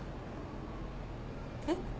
えっ？